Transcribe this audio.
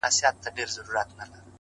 • د سترگو هره ائينه کي مي جلا ياري ده؛